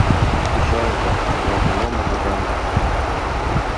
— Кычалза, садак нимом огыда му.